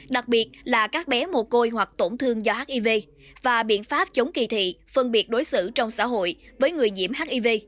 đặc biệt là các bé mồ côi hoặc tổn thương do hiv và biện pháp chống kỳ thị phân biệt đối xử trong xã hội với người nhiễm hiv